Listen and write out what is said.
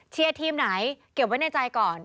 ทีมไหนเก็บไว้ในใจก่อน